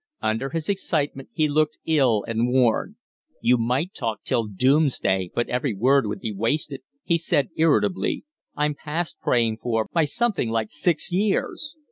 Under his excitement he looked ill and worn. "You might talk till doomsday, but every word would be wasted," he said, irritably. "I'm past praying for, by something like six years."